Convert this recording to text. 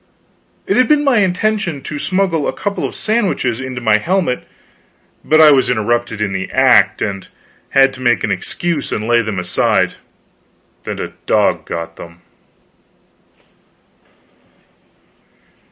It had been my intention to smuggle a couple of sandwiches into my helmet, but I was interrupted in the act, and had to make an excuse and lay them aside, and a dog got them.